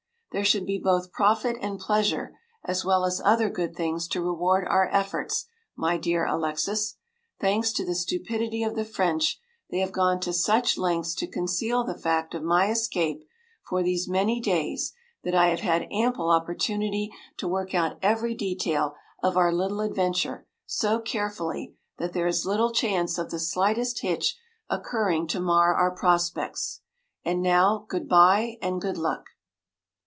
“There should be both profit and pleasure as well as other good things to reward our efforts, my dear Alexis. Thanks to the stupidity of the French, they have gone to such lengths to conceal the fact of my escape for these many days that I have had ample opportunity to work out every detail of our little adventure so carefully that there is little chance of the slightest hitch occurring to mar our prospects. And now good bye, and good luck!